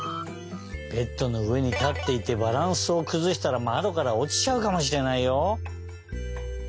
ベッドのうえにたっていてバランスをくずしたらまどからおちちゃうかもしれないよ。